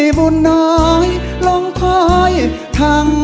ที่บุญน้อยลงคอยทั้งคืน